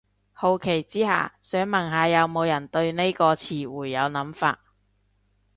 好奇之下，想問下有無人對呢個詞彙有諗法